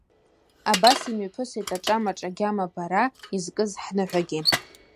Абас имҩаԥысит аҿамаҿа агьама абара иазкыз ҳныҳәагьы.